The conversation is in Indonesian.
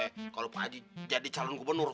kalau pak haji jadi calon gubernur